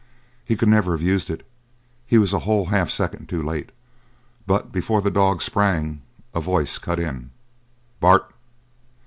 He could never have used it. He was a whole half second too late, but before the dog sprang a voice cut in: "Bart!"